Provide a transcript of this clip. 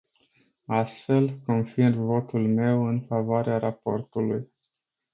Astfel, confirm votul meu în favoarea raportului.